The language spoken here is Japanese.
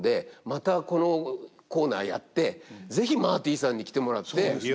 またこのコーナーやって是非マーティさんに来てもらって。